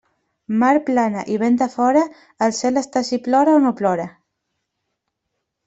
Mar plana i vent de fora, el cel està si plora o no plora.